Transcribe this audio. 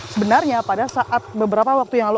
sebenarnya pada saat beberapa waktu yang lalu